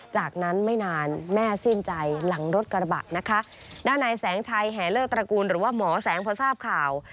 จากนั้นไม่นานแม่สิ้นใจหลังรถกระบะนะคะด้านในแสงชัยแห่เลิกตระกูลหรือว่าหมอแสงพอทราบข่าว